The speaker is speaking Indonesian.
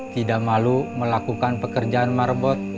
tidak malu melakukan pekerjaan marbot